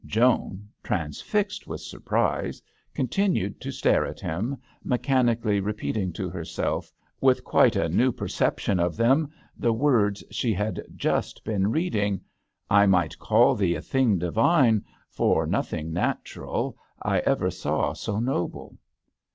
Joan, trans fixed with surprise, continued to stare at him, mechanically re peating to herself, with quite a new perception of them, the words she had just been read ing:— I might call thee a thing divine : for nothing natural, I ever saw so noble.